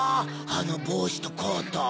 あの帽子とコート。